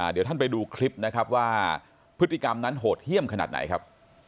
เดี๋ยวท่านไปดูคลิปนะครับว่าพฤติกรรมนั้นโหดเยี่ยมขนาดไหนครับ